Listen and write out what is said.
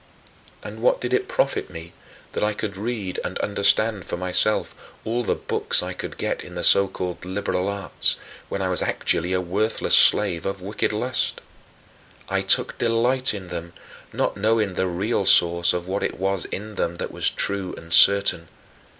30. And what did it profit me that I could read and understand for myself all the books I could get in the so called "liberal arts," when I was actually a worthless slave of wicked lust? I took delight in them, not knowing the real source of what it was in them that was true and certain.